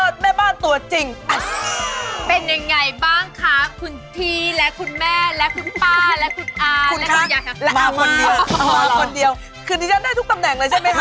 และได้เป็นสุดยอดแม่บ้านตัวจริง